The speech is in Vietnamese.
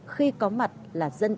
khi có mặt là dân cần là có